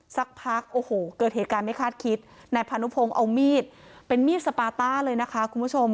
สักพักโอ้โหเกิดเหตุการณ์ไม่คาดคิดนายพานุพงศ์เอามีดเป็นมีดสปาต้าเลยนะคะคุณผู้ชม